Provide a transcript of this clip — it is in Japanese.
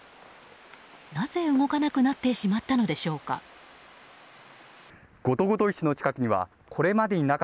なぜ動かなくなってしまったのでしょうか。